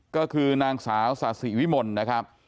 ก็คือนางสาวสาธิวิมลนะครับ